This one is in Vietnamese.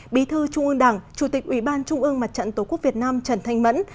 bí thư trung ương đảng chủ tịch ủy ban trung ương mặt trận tổ quốc việt nam trần thanh mẫn